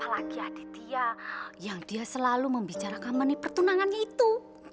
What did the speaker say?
ehm apalagi aditya yang dia selalu membicarakan menit pertunangannya itu